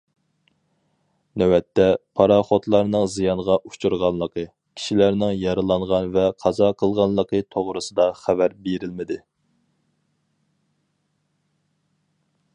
نۆۋەتتە، پاراخوتلارنىڭ زىيانغا ئۇچرىغانلىقى، كىشىلەرنىڭ يارىلانغان ۋە قازا قىلغانلىقى توغرىسىدا خەۋەر بېرىلمىدى.